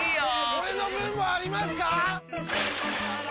俺の分もありますか！？